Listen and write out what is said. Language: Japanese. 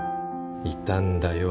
いたんだよ